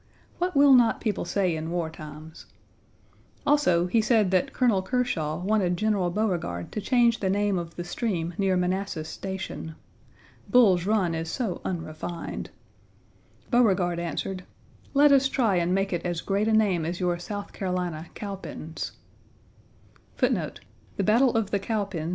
What will not people say in war times! Also, he said that Colonel Kershaw wanted General Beauregard to change the name of the stream near Manassas Station. Bull's Run is so unrefined. Beauregard answered: "Let us try and make it as great a name as your South Carolina Cowpens."